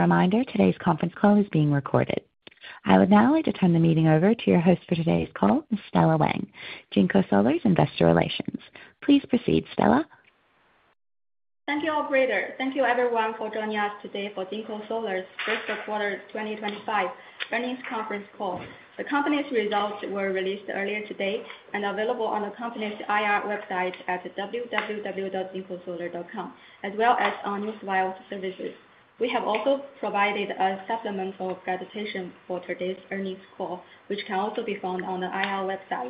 As a reminder, today's conference call is being recorded. I would now like to turn the meeting over to your host for today's call, Stella Wang, JinkoSolar's Investor Relations. Please proceed, Stella. Thank you, operator. Thank you, everyone, for joining us today for JinkoSolar's first quarter 2025 earnings conference call. The company's results were released earlier today and are available on the company's IR website at www.jinkosolar.com, as well as on Newswire services. We have also provided a supplemental presentation for today's earnings call, which can also be found on the IR website.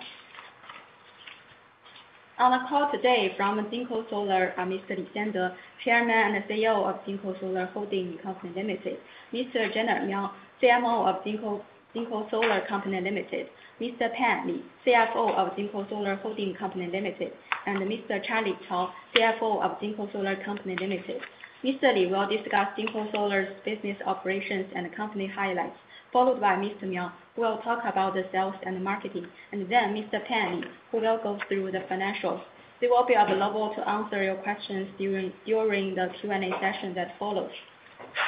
On the call today from JinkoSolar, Mr. Xiande Li, Chairman and CEO of JinkoSolar Holding Co., Ltd.; Mr. Gener Miao, CMO of JinkoSolar Company Limited; Mr. Pan Li, CFO of JinkoSolar Holding Co., Ltd.; and Mr. Charlie Cao, CFO of JinkoSolar Company Limited. Mr. Li will discuss JinkoSolar's business operations and company highlights, followed by Mr. Miao, who will talk about the sales and marketing, and then Mr. Pan Li, who will go through the financials. They will be available to answer your questions during the Q&A session that follows.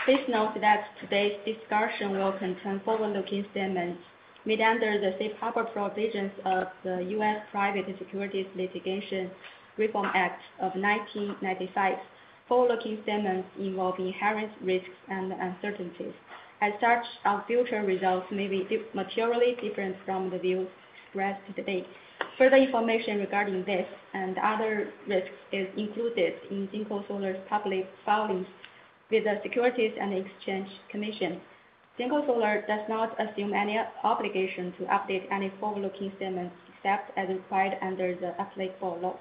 Please note that today's discussion will contain forward-looking statements. We, under the safe harbor provisions of the U.S. Private Securities Litigation Reform Act of 1995, forward-looking statements involve inherent risks and uncertainties. As such, our future results may be materially different from the views expressed today. Further information regarding this and other risks is included in JinkoSolar's public filings with the Securities and Exchange Commission. JinkoSolar does not assume any obligation to update any forward-looking statements except as required under the applicable law.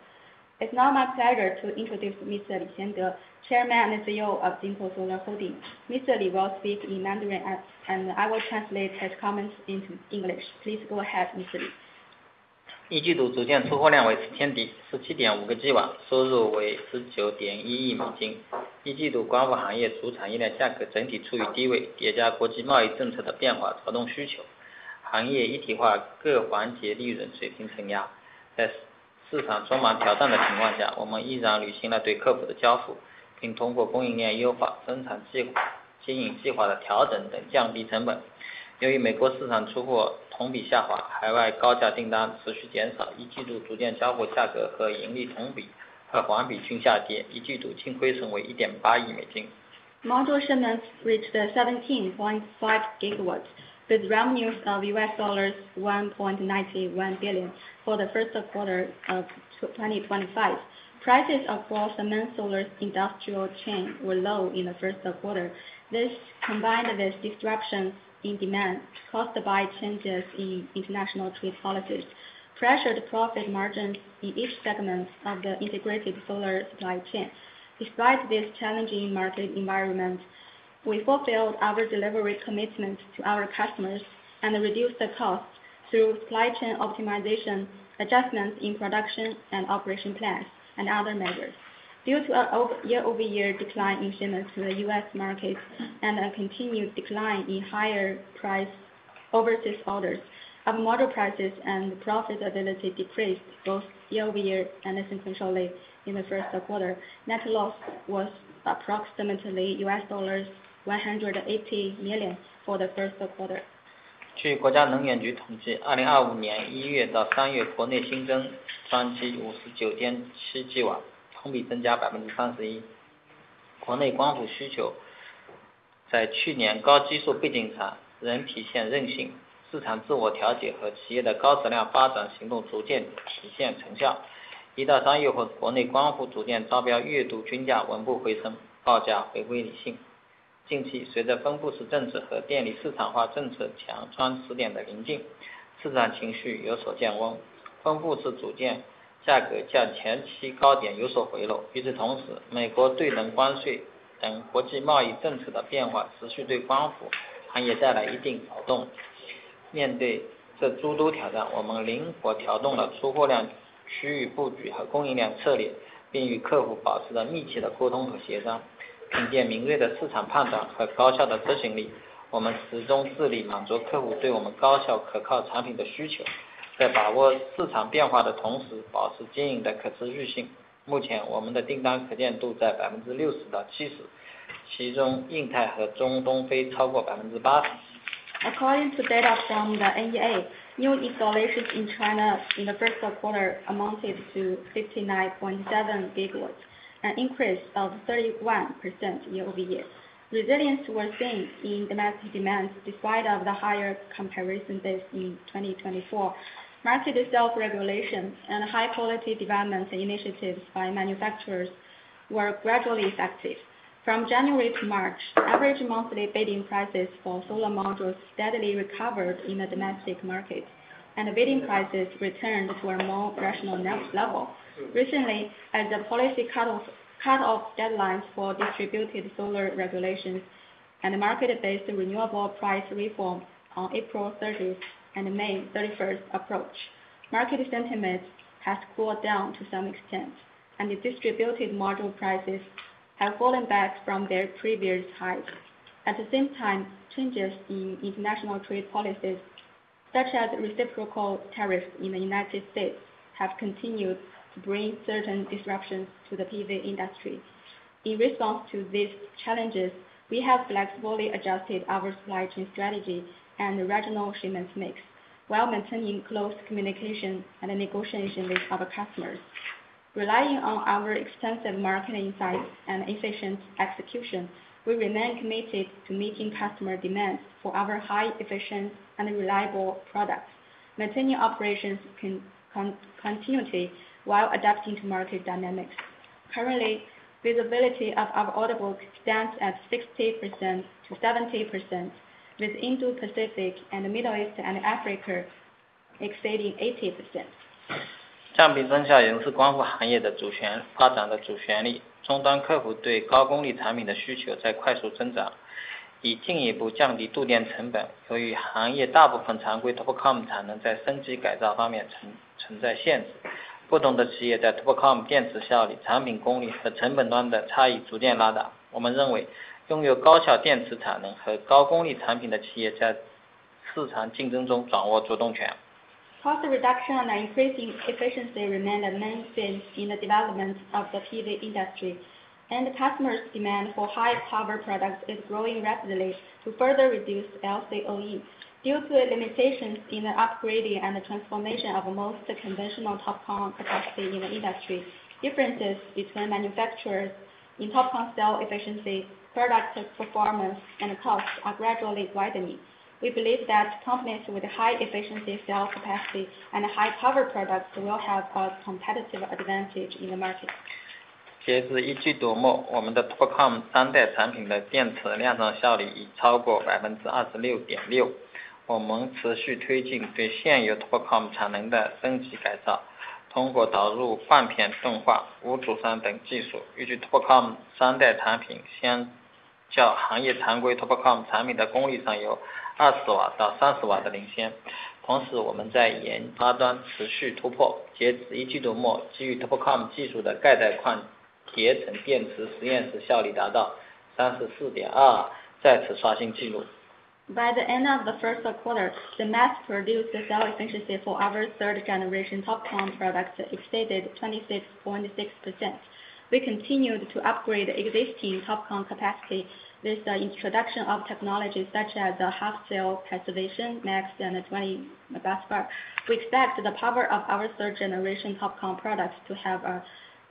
It's now my pleasure to introduce Mr. Xiande Li, Chairman and CEO of JinkoSolar Holding. Mr. Li will speak in Mandarin, and I will translate his comments into English. Please go ahead, Mr. Li. 一季度组件出货量为10天低，17.5个G网，收入为19.1亿美金。一季度光伏行业主产业链价格整体处于低位，叠加国际贸易政策的变化，调动需求，行业一体化各环节利润水平承压。在市场充满挑战的情况下，我们依然履行了对客户的交付，并通过供应链优化、生产计划、经营计划的调整等降低成本。由于美国市场出货同比下滑，海外高价订单持续减少，一季度组件交货价格和盈利同比和环比均下跌，一季度净亏损为1.8亿美金。Module shipments reached 17.5 GW, with revenues of $1.91 billion for the first quarter of 2025. Prices across the main solar industrial chain were low in the first quarter. This, combined with disruptions in demand caused by changes in international trade policies, pressured profit margins in each segment of the integrated solar supply chain. Despite this challenging market environment, we fulfilled our delivery commitments to our customers and reduced the costs through supply chain optimization, adjustments in production and operation plans, and other measures. Due to year-over-year decline in shipments to the U.S. market and a continued decline in higher price overseas orders, our module prices and profitability decreased both year-over-year and essentially in the first quarter. Net loss was approximately $180 million for the first quarter. According to data from the NEA, new installations in China in the first quarter amounted to 59.7 GW, an increase of 31% year-over-year. Resilience was seen in domestic demand despite the higher comparison base in 2024. Market self-regulation and high-quality development initiatives by manufacturers were gradually effective. From January to March, average monthly bidding prices for solar modules steadily recovered in the domestic market, and bidding prices returned to a more rational level. Recently, as the policy cut-off deadlines for distributed solar regulations and market-based renewable price reform on April 30 and May 31st approached, market sentiment has cooled down to some extent, and distributed module prices have fallen back from their previous highs. At the same time, changes in international trade policies, such as reciprocal tariffs in the U.S., have continued to bring certain disruptions to the PV industry. In response to these challenges, we have flexibly adjusted our supply chain strategy and regional shipment mix, while maintaining close communication and negotiation with our customers. Relying on our extensive market insights and efficient execution, we remain committed to meeting customer demands for our high-efficiency and reliable products, maintaining operations continuity while adapting to market dynamics. Currently, visibility of our order book stands at 60%-70%, with Indo-Pacific and Middle East and Africa exceeding 80%. 相比增加原是光伏行业的主权发展的主旋律，终端客户对高功率产品的需求在快速增长，以进一步降低度电成本。由于行业大部分常规TOPCon产能在升级改造方面存在限制，不同的企业在TOPCon电池效率、产品功率和成本端的差异逐渐拉大。我们认为，拥有高效电池产能和高功率产品的企业在市场竞争中掌握主动权。Cost reduction and increasing efficiency remain the main things in the development of the PV industry, and customers' demand for high-power products is growing rapidly to further reduce LCOE. Due to limitations in the upgrading and transformation of most conventional TOPCon capacity in the industry, differences between manufacturers in TOPCon cell efficiency, product performance, and cost are gradually widening. We believe that companies with high-efficiency cell capacity and high-power products will have a competitive advantage in the market. By the end of the first quarter, the mass-produced cell efficiency for our third-generation TOPCon products exceeded 26.6%. We continued to upgrade existing TOPCon capacity with the introduction of technologies such as half-cell passivation max and 20 busbar. We expect the power of our third-generation TOPCon products to have a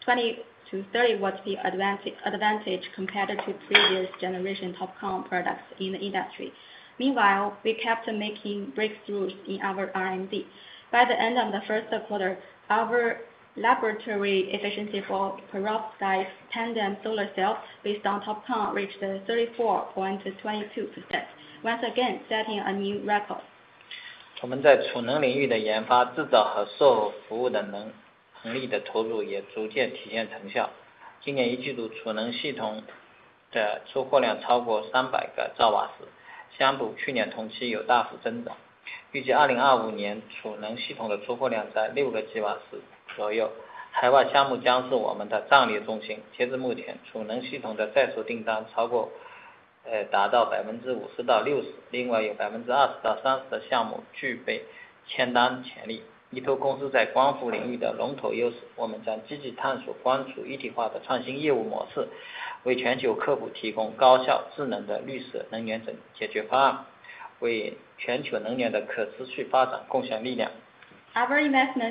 20 W-30 W advantage compared to previous generation TOPCon products in the industry. Meanwhile, we kept making breakthroughs in our R&D. By the end of the first quarter, our laboratory efficiency for perovskite tandem solar cells based on TOPCon reached 34.22%, once again setting a new record. Our investments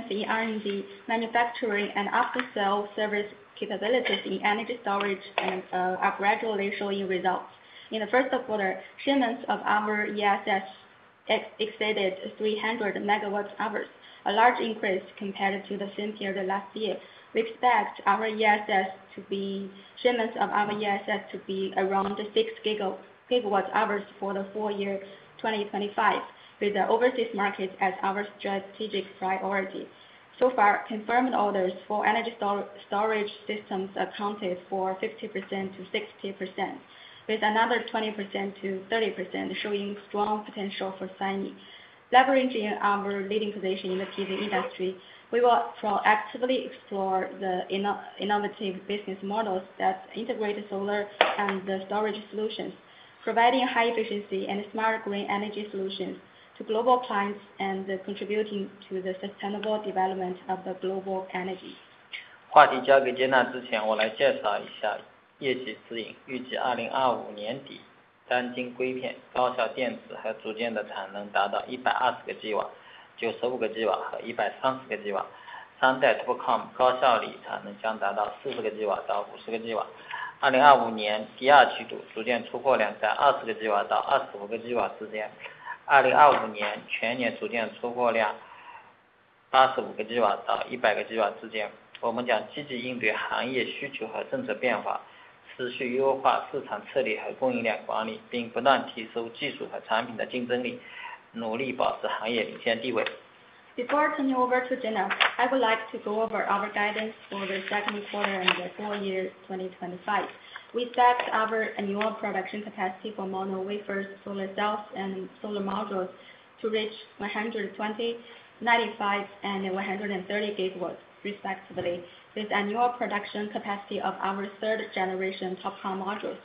in R&D, manufacturing, and after-sales service capabilities in energy storage are gradually showing results. In the first quarter, shipments of our ESS exceeded 300 megawatt-hours, a large increase compared to the same period last year. We expect our ESS shipments to be around 6 GWh for the full year 2025, with the overseas market as our strategic priority. Confirmed orders for energy storage systems accounted for 50%-60%, with another 20%-30% showing strong potential for signing. Leveraging our leading position in the PV industry, we will proactively explore the innovative business models that integrate solar and storage solutions, providing high efficiency and smart green energy solutions to global clients and contributing to the sustainable development of the global energy. Before turning over to Gener, I would like to go over our guidance for the second quarter and the full year 2025. We expect our annual production capacity for mono wafers, solar cells, and solar modules to reach 120 GW, 95 GW, and 130 GW, respectively, with annual production capacity of our third-generation TOPCon modules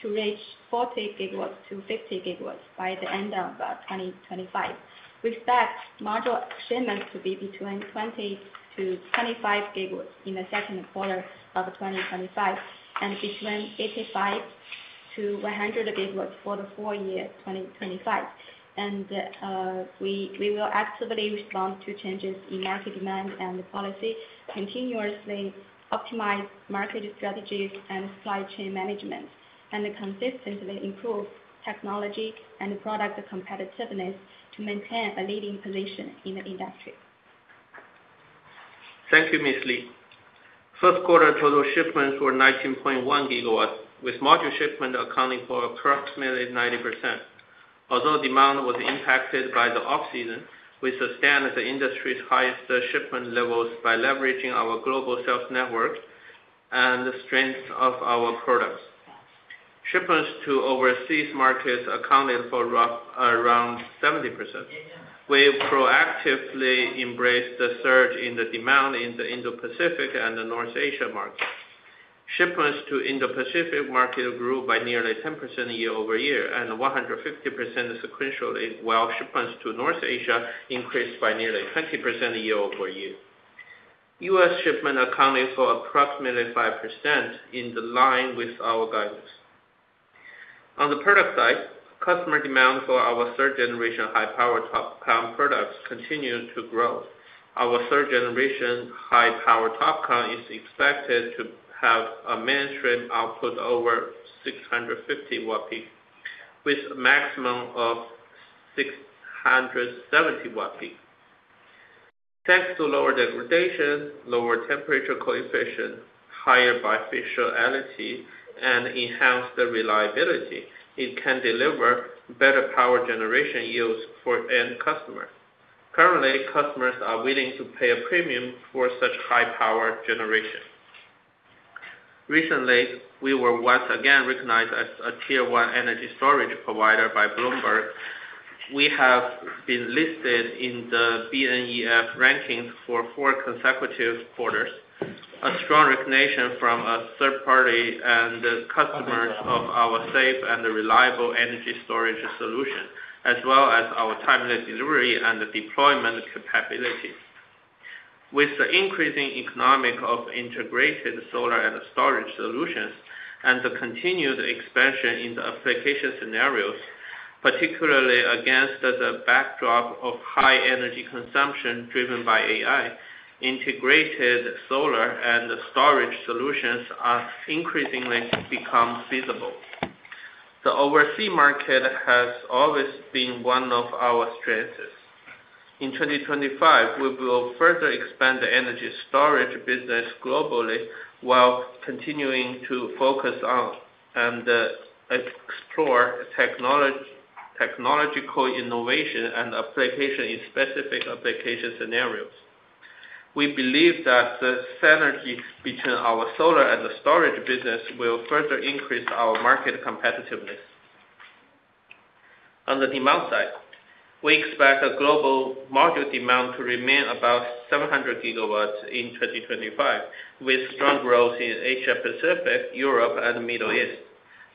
to reach 40 GW-50 GW by the end of 2025. We expect module shipments to be between 20 GW-25 GW in the second quarter of 2025 and between 85 GW-100 GW for the full year 2025. We will actively respond to changes in market demand and policy, continuously optimize market strategies and supply chain management, and consistently improve technology and product competitiveness to maintain a leading position in the industry. Thank you, Mr. Li. First quarter total shipments were 19.1 GW, with module shipment accounting for approximately 90%. Although demand was impacted by the off-season, we sustained the industry's highest shipment levels by leveraging our global sales network and the strength of our products. Shipments to overseas markets accounted for around 70%. We proactively embraced the surge in the demand in the Indo-Pacific and the North Asia markets. Shipments to Indo-Pacific market grew by nearly 10% year-over-year and 150% sequentially, while shipments to North Asia increased by nearly 20% year-over-year. U.S. shipment accounted for approximately 5%, in line with our guidance. On the product side, customer demand for our third-generation high-power TOPCon products continued to grow. Our third-generation high-power TOPCon is expected to have a mainstream output over 650 watt-peak, with a maximum of 670 watt-peak. Thanks to lower degradation, lower temperature coefficient, higher bifaciality, and enhanced reliability, it can deliver better power generation yields for end customers. Currently, customers are willing to pay a premium for such high power generation. Recently, we were once again recognized as a tier-one energy storage provider by Bloomberg. We have been listed in the BNEF rankings for four consecutive quarters, a strong recognition from a third party and customers of our safe and reliable energy storage solution, as well as our timely delivery and deployment capabilities. With the increasing economics of integrated solar and storage solutions and the continued expansion in the application scenarios, particularly against the backdrop of high energy consumption driven by AI, integrated solar and storage solutions are increasingly becoming feasible. The overseas market has always been one of our strengths. In 2025, we will further expand the energy storage business globally while continuing to focus on and explore technological innovation and application in specific application scenarios. We believe that the synergy between our solar and storage business will further increase our market competitiveness. On the demand side, we expect the global module demand to remain about 700 GW in 2025, with strong growth in Asia-Pacific, Europe, and the Middle East.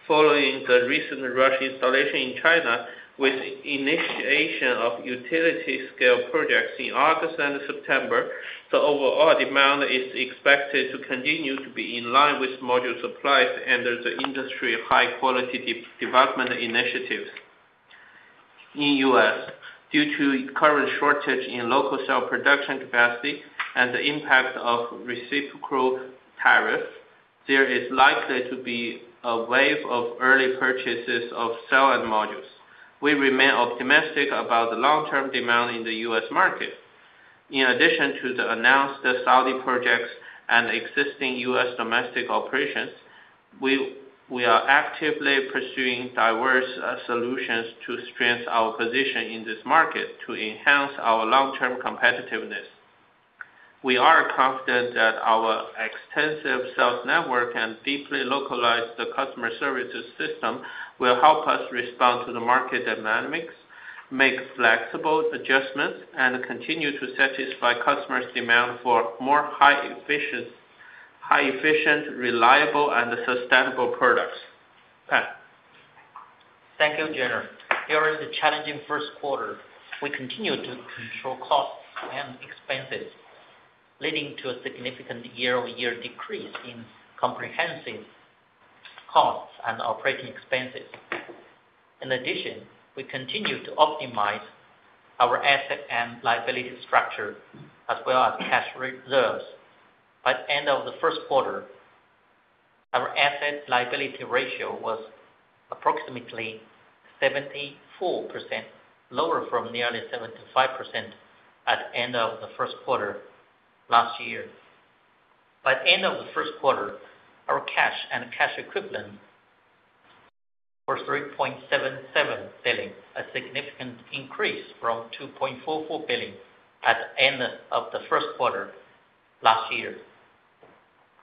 Following the recent rush installation in China with the initiation of utility-scale projects in August and September, the overall demand is expected to continue to be in line with module supplies under the industry high-quality development initiatives. In the U.S., due to current shortage in local cell production capacity and the impact of reciprocal tariffs, there is likely to be a wave of early purchases of cell and modules. We remain optimistic about the long-term demand in the U.S. market. In addition to the announced Saudi projects and existing U.S. domestic operations, we are actively pursuing diverse solutions to strengthen our position in this market to enhance our long-term competitiveness. We are confident that our extensive cell network and deeply localized customer service system will help us respond to the market dynamics, make flexible adjustments, and continue to satisfy customers' demand for more high-efficient, reliable, and sustainable products. Pan. Thank you, Gener. During the challenging first quarter, we continued to control costs and expenses, leading to a significant year-on-year decrease in comprehensive costs and operating expenses. In addition, we continued to optimize our asset and liability structure, as well as cash reserves. By the end of the first quarter, our asset liability ratio was approximately 74%, lower from nearly 75% at the end of the first quarter last year. By the end of the first quarter, our cash and cash equivalent were $3.77 billion, a significant increase from $2.44 billion at the end of the first quarter last year.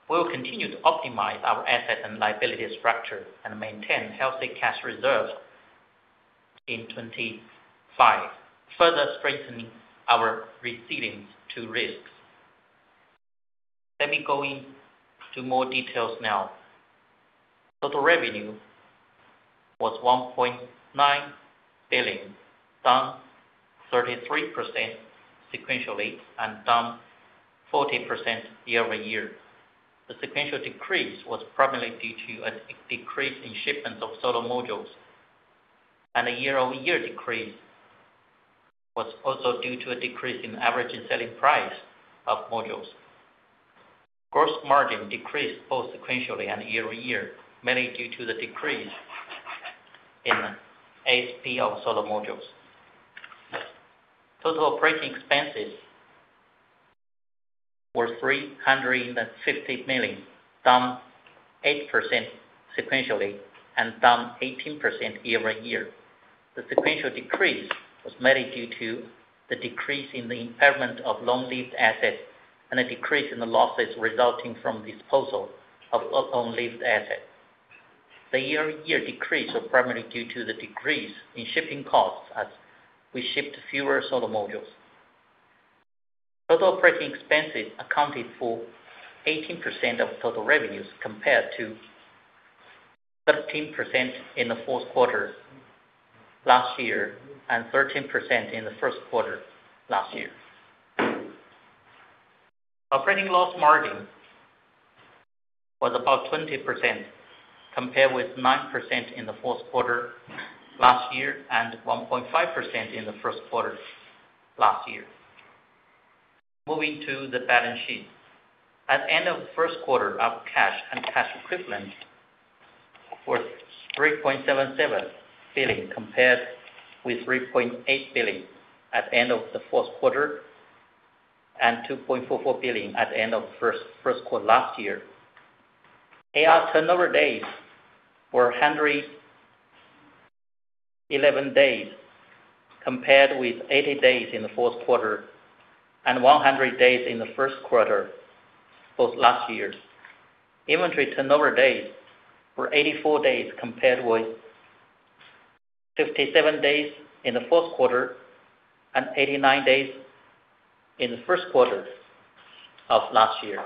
We will continue to optimize our asset and liability structure and maintain healthy cash reserves in 2025, further strengthening our resilience to risks. Let me go into more details now. Total revenue was $1.9 billion, down 33% sequentially, and down 40% year-on-year. The sequential decrease was primarily due to a decrease in shipments of solar modules, and the year-on-year decrease was also due to a decrease in average selling price of modules. Gross margin decreased both sequentially and year-on-year, mainly due to the decrease in ASP of solar modules. Total operating expenses were $350 million, down 8% sequentially, and down 18% year-on-year. The sequential decrease was mainly due to the decrease in the impairment of long-lived assets and a decrease in the losses resulting from disposal of long-lived assets. The year-on-year decrease was primarily due to the decrease in shipping costs as we shipped fewer solar modules. Total operating expenses accounted for 18% of total revenues compared to 13% in the fourth quarter last year and 13% in the first quarter last year. Operating loss margin was about 20%, compared with 9% in the fourth quarter last year and 1.5% in the first quarter last year. Moving to the balance sheet, at the end of the first quarter, our cash and cash equivalent were $3.77 billion compared with $3.8 billion at the end of the fourth quarter and $2.44 billion at the end of the first quarter last year. AR turnover days were 111 days compared with 80 days in the fourth quarter and 100 days in the first quarter both last year. Inventory turnover days were 84 days compared with 57 days in the fourth quarter and 89 days in the first quarter of last year.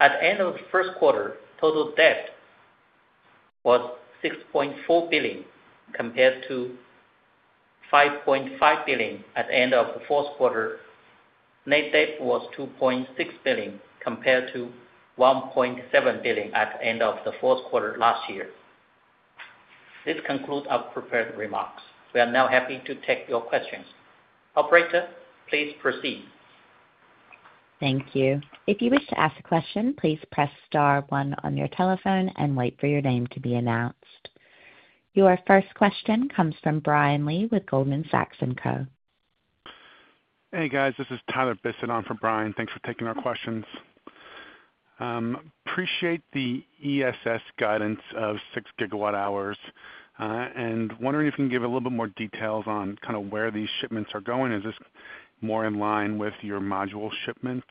At the end of the first quarter, total debt was $6.4 billion compared to $5.5 billion at the end of the fourth quarter. Net debt was $2.6 billion compared to $1.7 billion at the end of the fourth quarter last year. This concludes our prepared remarks. We are now happy to take your questions. Operator, please proceed. Thank you. If you wish to ask a question, please press star one on your telephone and wait for your name to be announced. Your first question comes from Brian Lee with Goldman Sachs & Co. Hey, guys. This is Tyler Bisset on for Brian. Thanks for taking our questions. Appreciate the ESS guidance of 6 GWh. I am wondering if you can give a little bit more details on kind of where these shipments are going. Is this more in line with your module shipments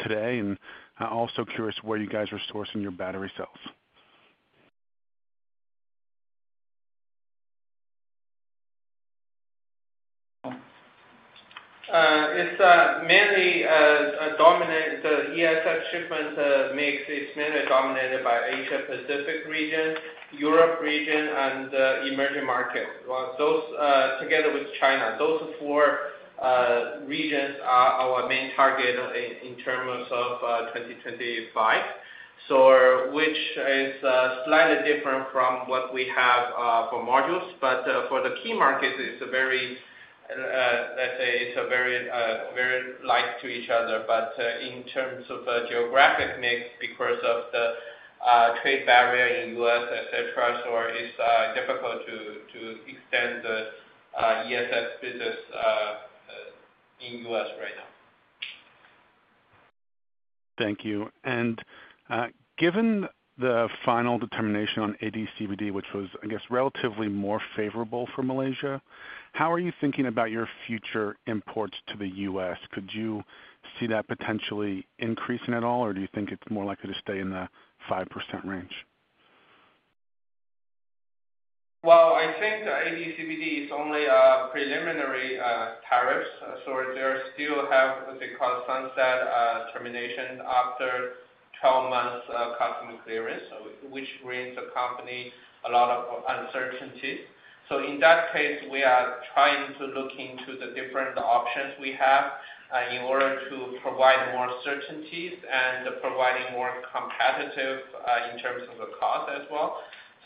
today? I am also curious where you guys are sourcing your battery cells. It's mainly dominated. The ESS shipments are mainly dominated by Asia-Pacific region, Europe region, and emerging markets. Together with China, those four regions are our main target in terms of 2025, which is slightly different from what we have for modules. For the key markets, it's a very, let's say, it's a very like to each other. In terms of geographic mix, because of the trade barrier in the U.S., etc., it's difficult to extend the ESS business in the U.S. right now. Thank you. Given the final determination on AD/CVD, which was, I guess, relatively more favorable for Malaysia, how are you thinking about your future imports to the U.S.? Could you see that potentially increasing at all, or do you think it's more likely to stay in the 5% range? I think the AD/CVD is only preliminary tariffs. They still have what they call sunset termination after 12 months of customer clearance, which brings the company a lot of uncertainty. In that case, we are trying to look into the different options we have in order to provide more certainties and provide more competitive in terms of the cost as well.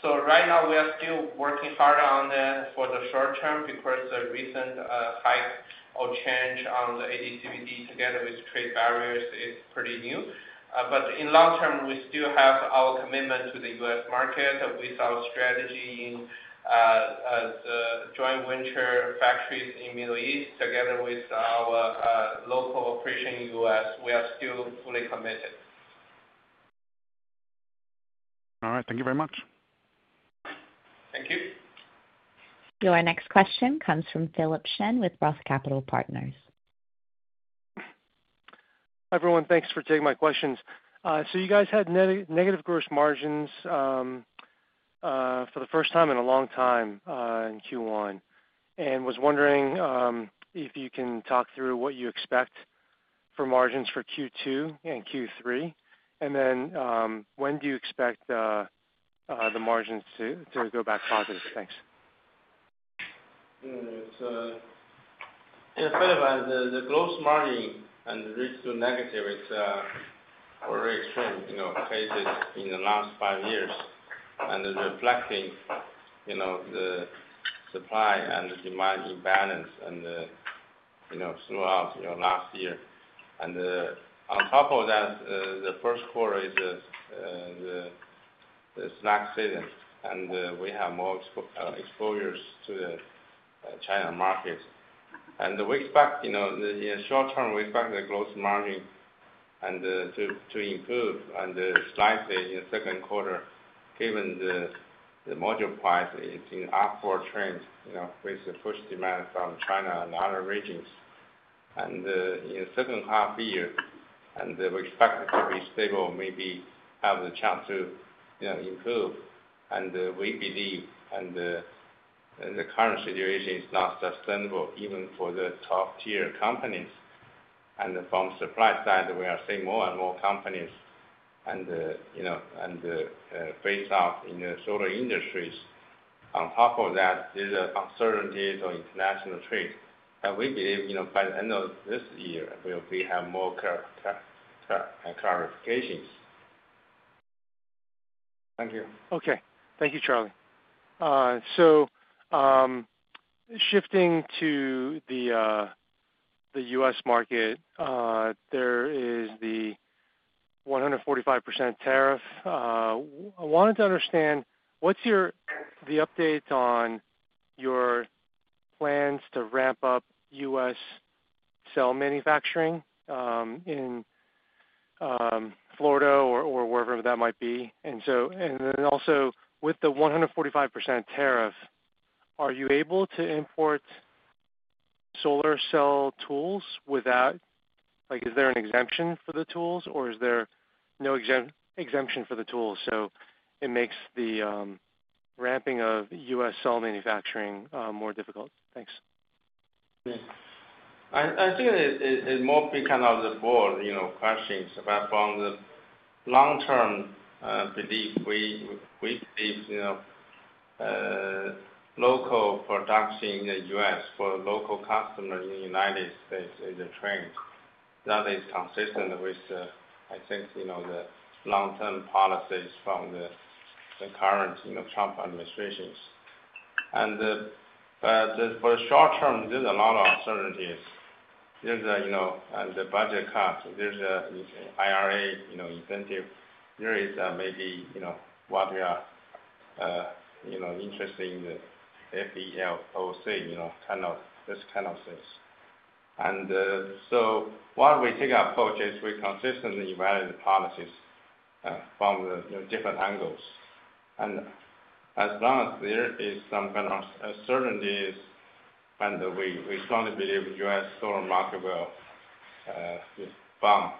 Right now, we are still working hard on that for the short term because the recent hike or change on the AD/CVD together with trade barriers is pretty new. In the long term, we still have our commitment to the U.S. market with our strategy in joint venture factories in the Middle East together with our local operation in the U.S. We are still fully committed. All right. Thank you very much. Thank you. Your next question comes from Philip Shen with Roth Capital Partners. Hi, everyone. Thanks for taking my questions. You guys had negative gross margins for the first time in a long time in Q1. I was wondering if you can talk through what you expect for margins for Q2 and Q3. When do you expect the margins to go back positive? Thanks. In a fair way, the gross margin and the risk to negative is very extreme cases in the last five years and reflecting the supply and demand imbalance throughout last year. On top of that, the first quarter is the slack season, and we have more exposures to the China market. In the short term we expect the gross margin to improve and slice in the second quarter given the module price is in upward trend with the push demand from China and other regions. In the second half year, we expect it to be stable, maybe have the chance to improve. We believe the current situation is not sustainable even for the top-tier companies. From the supply side, we are seeing more and more companies and phase out in the solar industries. On top of that, there's uncertainty on international trade. We believe by the end of this year, we will have more clarifications. Thank you. Thank you, Charlie. Shifting to the U.S. market, there is the 145% tariff. I wanted to understand, what's the update on your plans to ramp up U.S. cell manufacturing in Florida or wherever that might be? Also, with the 145% tariff, are you able to import solar cell tools without, is there an exemption for the tools, or is there no exemption for the tools? It makes the ramping of U.S. cell manufacturing more difficult. Thanks. I think it's more kind of the board questions. From the long-term belief, we believe local production in the U.S. for local customers in the United States is a trend that is consistent with, I think, the long-term policies from the current Trump administrations. For the short term, there's a lot of uncertainties. The budget cuts, there's an IRA incentive. There is maybe what we are interested in, the FEOC, kind of this kind of things. While we take our approaches, we consistently evaluate the policies from the different angles. As long as there is some kind of uncertainty, we strongly believe U.S. solar market will bump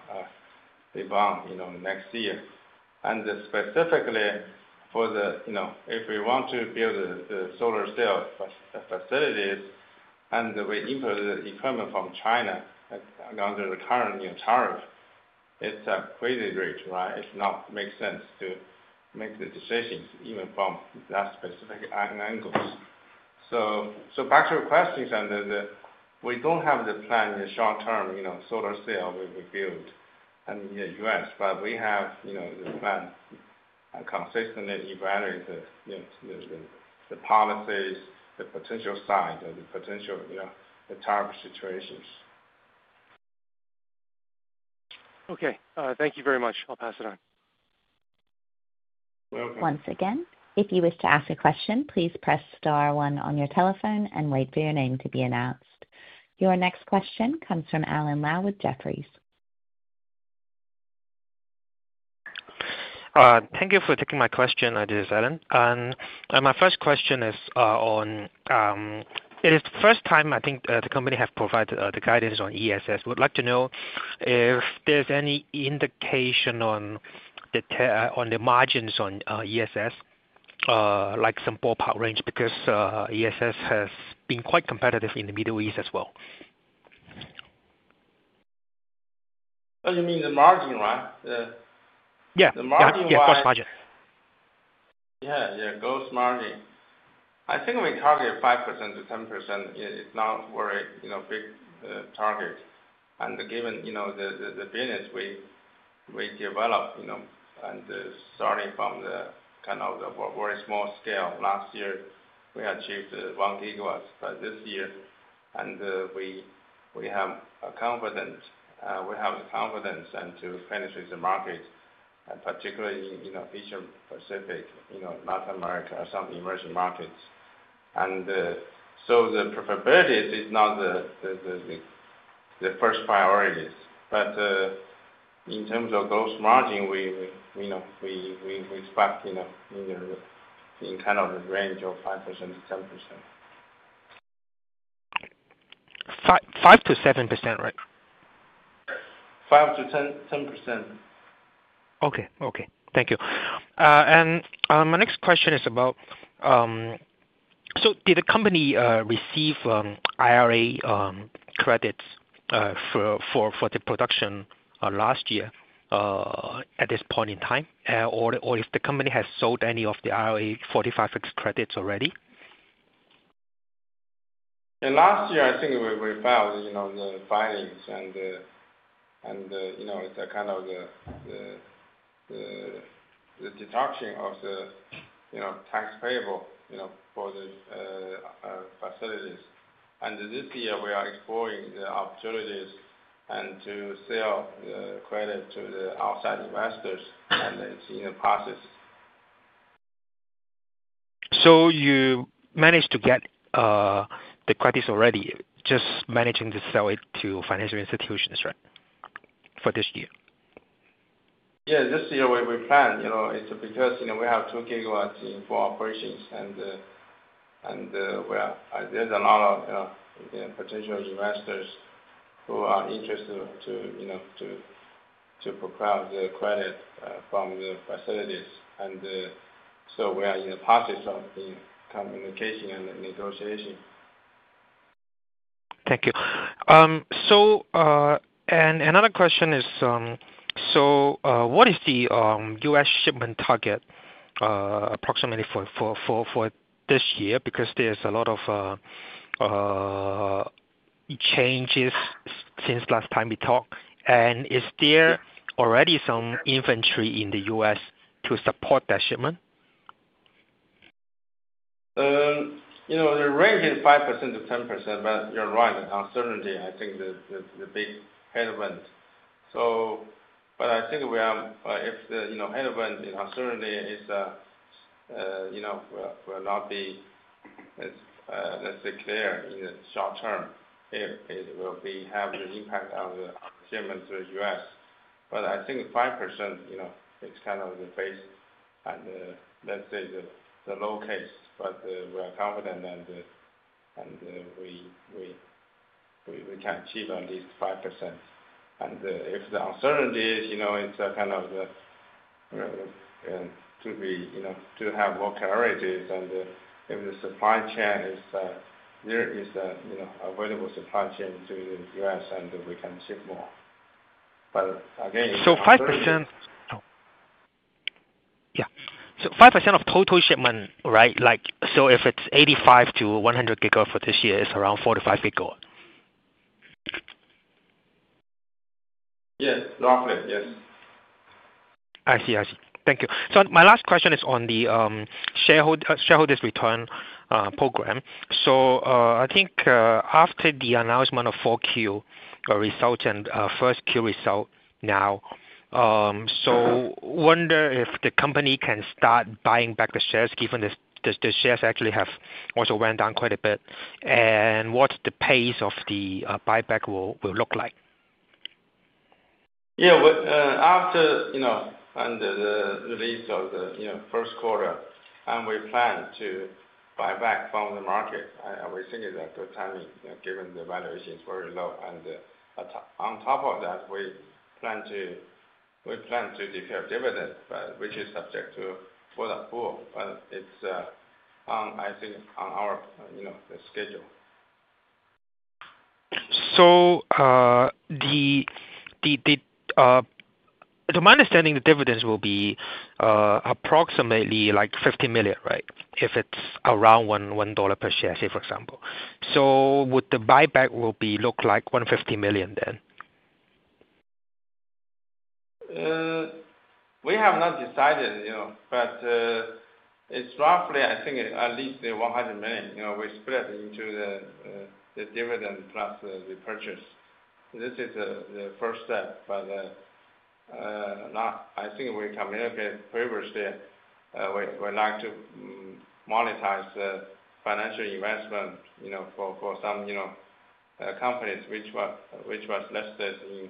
next year. Specifically, if we want to build the solar cell facilities and we import the equipment from China under the current tariff, it's a crazy rate, right? Does not make sense to make the decisions even from that specific angle. Back to your questions, we do not have the plan in the short term for solar cell we build in the U.S. We have the plan and consistently evaluate the policies, the potential site, the potential tariff situations. Okay. Thank you very much. I'll pass it on. Welcome. Once again, if you wish to ask a question, please press star one on your telephone and wait for your name to be announced. Your next question comes from Alan Lau with Jefferies. Thank you for taking my question. My first question is on it is the first time, I think, the company has provided the guidance on ESS. We'd like to know if there's any indication on the margins on ESS, like some ballpark range, because ESS has been quite competitive in the Middle East as well. You mean the margin, right? Yeah. Yeah, gross margin. Yeah, yeah, gross margin. I think we target 5%-10%. It's not a very big target. Given the business we developed, and starting from the kind of very small scale, last year, we achieved 1 GW. This year, we have confidence, we have the confidence to penetrate the market, particularly in Asia-Pacific, North America, or some emerging markets. The profitability is not the first priorities. In terms of gross margin, we expect in kind of the range of 5%-10%. 5%-7%, right? 5%-10%. Okay, okay. Thank you. My next question is about, did the company receive IRA credits for the production last year at this point in time, or if the company has sold any of the IRA 45X credits already? Last year, I think we filed the filings, and it's kind of the deduction of the tax payable for the facilities. This year, we are exploring the opportunities to sell the credit to the outside investors, and it's in the process. You managed to get the credits already, just managing to sell it to financial institutions, right, for this year? Yeah, this year we planned. It's because we have 2 GW for operations, and there's a lot of potential investors who are interested to procure the credit from the facilities. We are in the process of communication and negotiation. Thank you. Another question is, what is the U.S. shipment target approximately for this year? There are a lot of changes since last time we talked. Is there already some inventory in the U.S. to support that shipment? The range is 5%-10%, but you're right. Uncertainty, I think, is the big headwind. I think if the headwind, uncertainty will not be, let's say, clear in the short term, it will have the impact on the shipment to the U.S. I think 5% is kind of the base, let's say, the low case. We are confident that we can achieve at least 5%. If the uncertainty is, it's kind of to have more clarity. If the supply chain is there, is available supply chain to the U.S., we can ship more. Again. 5%. Yeah. 5% of total shipment, right? If it is 85 GW-100 GW for this year, it is around 4 GW-5 GW. Yes, roughly. Yes. I see. I see. Thank you. My last question is on the shareholders' return program. I think after the announcement of fourth quarter results and first quarter result now, I wonder if the company can start buying back the shares given the shares actually have also run down quite a bit. What will the pace of the buyback look like? Yeah. After the release of the first quarter, we plan to buy back from the market, we think it's a good timing given the valuation is very low. On top of that, we plan to declare dividends, which is subject to full. I think it's on our schedule. To my understanding, the dividends will be approximately like $50 million, right, if it's around $1 per share, say, for example. Would the buyback look like $150 million then? We have not decided, but it's roughly, I think, at least $100 million. We split into the dividend plus the purchase. This is the first step. I think we communicate privilege there. We like to monetize financial investment for some companies which were listed in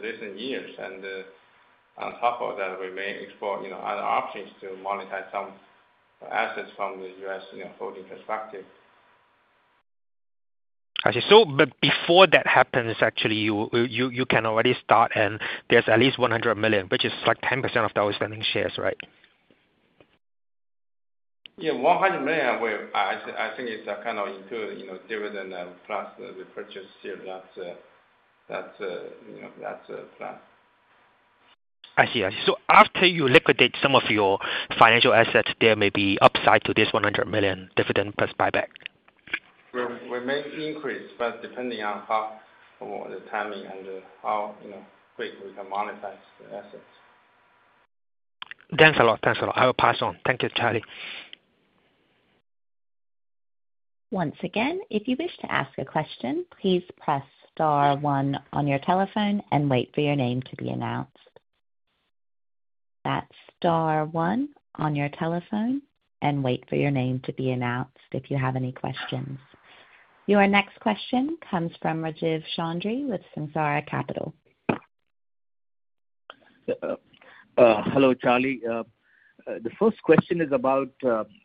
recent years. On top of that, we may explore other options to monetize some assets from the U.S. holding perspective. I see. Before that happens, actually, you can already start, and there's at least $100 million, which is like 10% of those spending shares, right? Yeah. $100 million, I think it's kind of include dividend plus the purchase share. That's a plan. I see. I see. After you liquidate some of your financial assets, there may be upside to this $100 million dividend plus buyback? We may increase, but depending on the timing and how quick we can monetize the assets. Thanks a lot. Thanks a lot. I will pass on. Thank you, Charlie. Once again, if you wish to ask a question, please press star one on your telephone and wait for your name to be announced. That's star one on your telephone and wait for your name to be announced if you have any questions. Your next question comes from Rajiv Chaudhri with Sunsara Capital. Hello, Charlie. The first question is about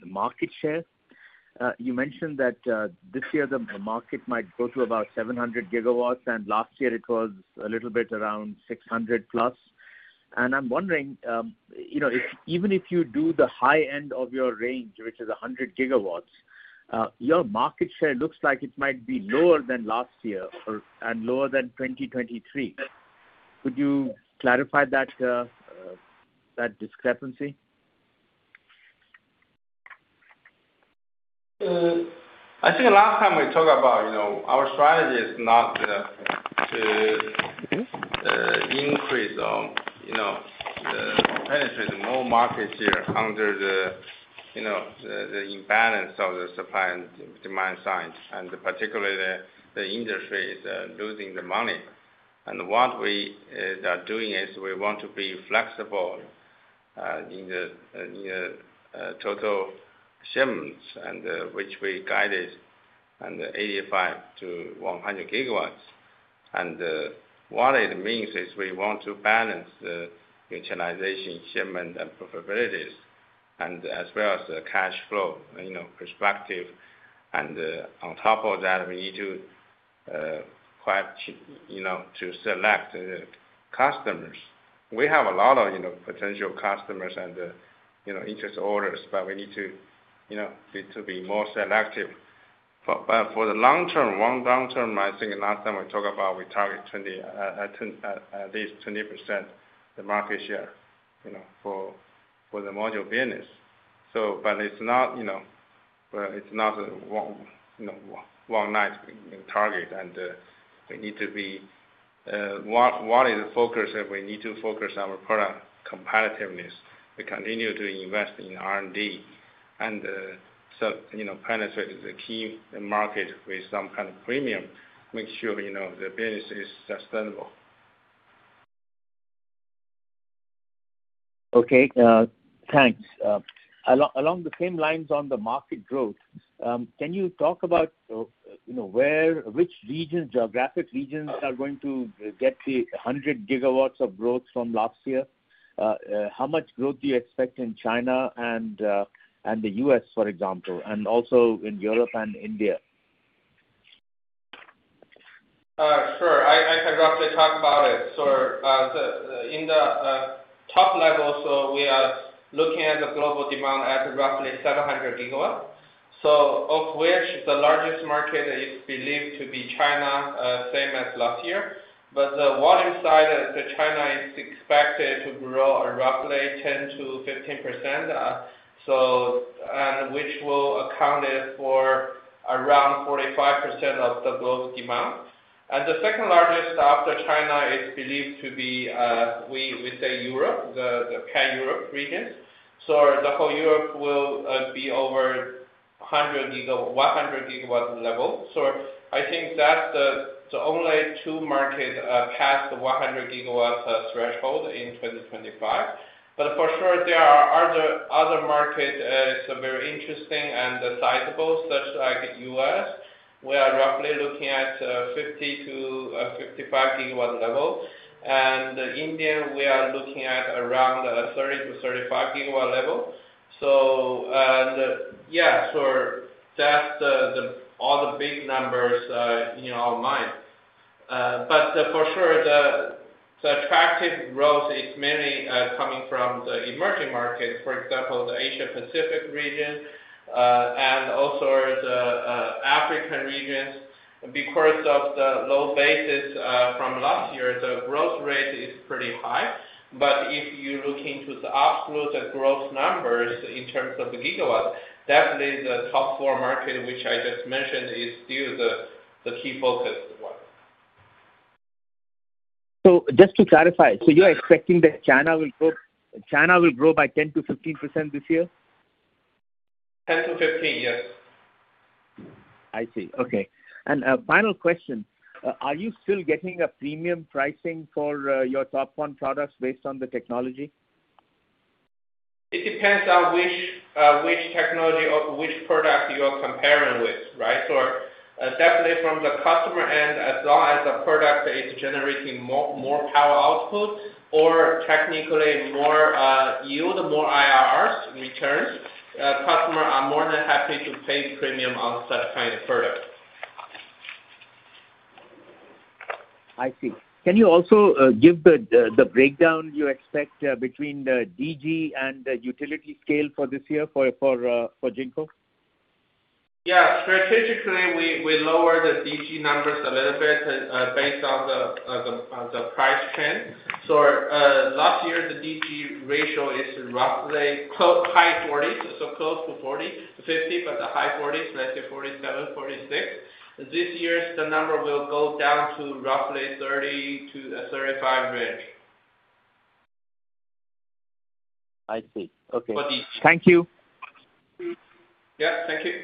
market share. You mentioned that this year, the market might go to about 700 GW, and last year, it was a little bit around 600+ GW. I'm wondering, even if you do the high end of your range, which is 100 GW, your market share looks like it might be lower than last year and lower than 2023. Could you clarify that discrepancy? I think last time we talked about our strategy is not to increase or penetrate more market share under the imbalance of the supply and demand side. Particularly, the industry is losing the money. What we are doing is we want to be flexible in the total shipments, which we guided at 85 GW-100 GW. What it means is we want to balance the utilization, shipment, and profitabilities, as well as the cash flow perspective. On top of that, we need to select customers. We have a lot of potential customers and interest orders, but we need to be more selective. For the long term, long term, I think last time we talked about we target at least 20% market share for the module business. It is not a one-night target, and we need to be what is the focus? We need to focus on our product competitiveness. We continue to invest in R&D and penetrate the market with some kind of premium, make sure the business is sustainable. Okay. Thanks. Along the same lines on the market growth, can you talk about which geographic regions are going to get the 100 GW of growth from last year? How much growth do you expect in China and the U.S., for example, and also in Europe and India? Sure. I can roughly talk about it. At the top level, we are looking at the global demand at roughly 700 GW, of which the largest market is believed to be China, same as last year. On the volume side, China is expected to grow roughly 10%-15%, which will account for around 45% of the global demand. The second largest after China is believed to be, we say, Europe, the pan-Europe region. The whole Europe will be over 100 GW level. I think that's the only two markets past the 100 GW threshold in 2025. For sure, there are other markets that are very interesting and sizable, such as the U.S. We are roughly looking at 50 GW-55 GW level. India, we are looking at around 30 GW-35 GW level. Yeah, so that's all the big numbers on my mind. For sure, the attractive growth is mainly coming from the emerging markets, for example, the Asia-Pacific region and also the African regions. Because of the low basis from last year, the growth rate is pretty high. If you look into the absolute growth numbers in terms of gigawatts, definitely the top four markets, which I just mentioned, are still the key focus ones. Just to clarify, you're expecting that China will grow by 10-15% this year? 10 to 15, yes. I see. Okay. Final question, are you still getting a premium pricing for your top-one products based on the technology? It depends on which technology or which product you are comparing with, right? Definitely from the customer end, as long as the product is generating more power output or technically more yield, more IRRs returns, customers are more than happy to pay premium on such kind of product. I see. Can you also give the breakdown you expect between the DG and the utility scale for this year for Jinko? Yeah. Strategically, we lower the DG numbers a little bit based on the price trend. Last year, the DG ratio is roughly high 40s, so close to 40, 50, but the high 40s, let's say 47, 46. This year, the number will go down to roughly 30-35 range. I see. Okay. Thank you. Yeah. Thank you.